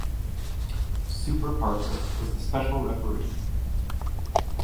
Super Parka was the special referee.